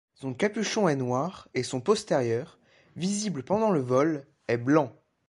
Son capuchon est noir et son postérieur, visible pendant le vol, est blanc.